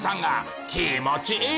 気持ちいい！